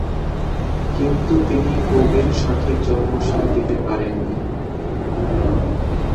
কিন্তু তিনিও কবির সঠিক জন্ম-সাল দিতে পারেননি।